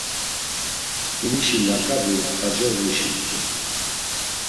Hinişi laǩabi Xacoğlişirt̆u.